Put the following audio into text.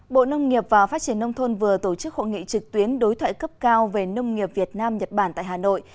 bộ nông nghiệp và phát triển nông thôn vừa tổ chức hội nghị trực tuyến đối thoại cấp cao về nông nghiệp việt nam nhật bản tại hà nội